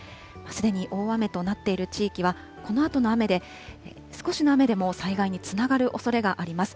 すでに大雨となっている地域は、このあとの雨で、少しの雨でも災害につながるおそれがあります。